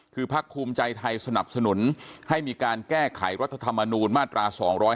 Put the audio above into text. คือพักภูมิใจไทยสนับสนุนให้มีการแก้ไขรัฐธรรมนูญมาตรา๒๗